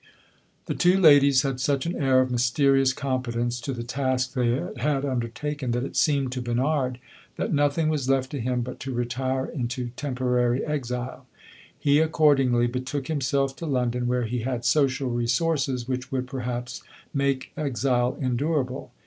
The two ladies had such an air of mysterious competence to the task they had undertaken that it seemed to Bernard that nothing was left to him but to retire into temporary exile. He accordingly betook himself to London, where he had social resources which would, perhaps, make exile endurable.